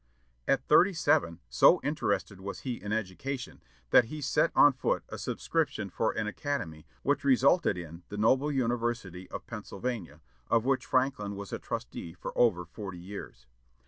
At thirty seven, so interested was he in education that he set on foot a subscription for an academy, which resulted in the noble University of Pennsylvania, of which Franklin was a trustee for over forty years.